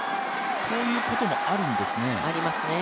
こういうこともあるんですね。ありますね。